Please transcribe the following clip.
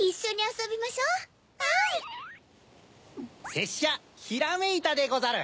せっしゃひらめいたでござる！